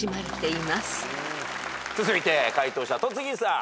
続いて解答者戸次さん。